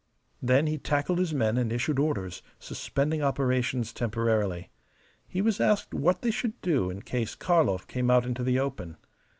Then he tackled his men and issued orders suspending operations temporarily. He was asked what they should do in case Karlov came out into the open.